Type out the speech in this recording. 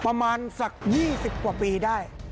ประมาณสัก๒๐กว่าปีได้